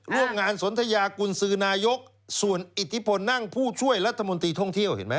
ร่วมงานสนทยากุญสือนายกส่วนอิทธิพลนั่งผู้ช่วยรัฐมนตรีท่องเที่ยวเห็นไหม